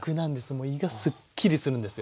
もう胃がすっきりするんですよ。